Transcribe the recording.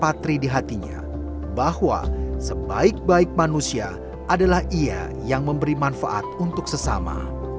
patri di hatinya bahwa sebaik baik manusia adalah ia yang memberi manfaat untuk sesama